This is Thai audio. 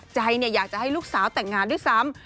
ใจอยากจะให้ลูกสาวแต่งงานด้วยซ้ำ